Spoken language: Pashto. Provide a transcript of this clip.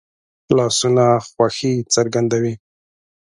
لاسونه خوښي څرګندوي